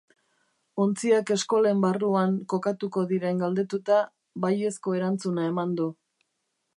Ontziak eskolen barruan kokatuko diren galdetuta, baiezko erantzuna eman du.